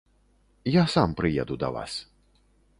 Я сам прыеду да вас.